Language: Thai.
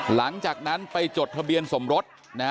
หลังจากนั้นไปจดทะเบียนสมรส